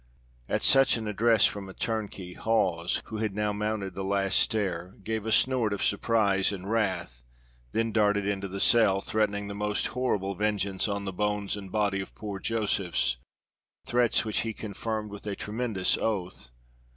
At such an address from a turnkey, Hawes, who had now mounted the last stair, gave a snort of surprise and wrath then darted into the cell, threatening the most horrible vengeance on the bones and body of poor Josephs, threats which he confirmed with a tremendous oath.